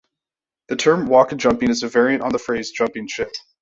The term waka-jumping is a variant on the phrase "jumping ship".